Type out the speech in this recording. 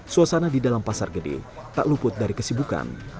suasana di dalam pasar gede tak luput dari kesibukan